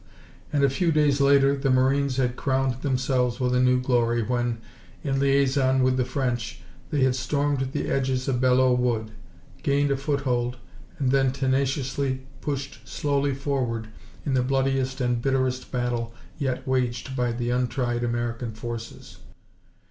and a few days later the Marines had crowned themselves with a new glory when, in liaison with the French, they had stormed the edges of Belleau Wood, gained a foothold, and then tenaciously pushed slowly forward in the bloodiest and bitterest battle yet waged by the untried American forces.